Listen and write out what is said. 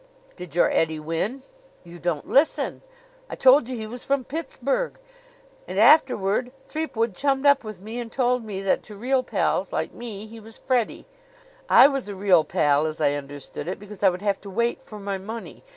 "Did your Eddie win?" "You don't listen I told you he was from Pittsburgh. And afterward Threepwood chummed up with me and told me that to real pals like me he was Freddie. I was a real pal, as I understood it, because I would have to wait for my money.